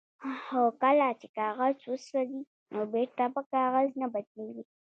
هو کله چې کاغذ وسوځي نو بیرته په کاغذ نه بدلیږي